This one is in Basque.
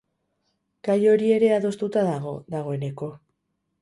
Gai hori ere adostuta dago, dagoeneko.